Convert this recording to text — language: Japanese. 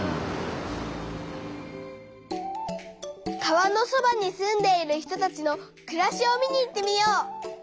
川のそばに住んでいる人たちのくらしを見に行ってみよう。